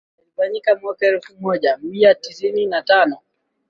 yalifanyika mwaka elfu moja mia tisa tisini na tano